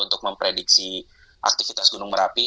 untuk memprediksi aktivitas gunung merapi